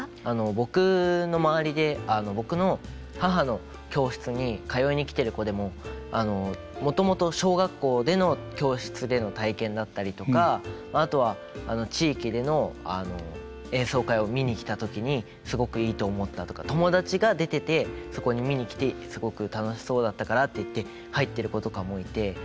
僕の周りで僕の母の教室に通いに来てる子でももともと小学校での教室での体験だったりとかあとは地域での演奏会を見に来た時にすごくいいと思ったとか友達が出ててそこに見に来てすごく楽しそうだったからっていって入ってる子とかもいて。